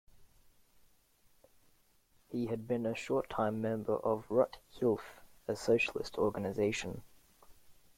He had been a short-time member of "Rote Hilfe", a socialist organization.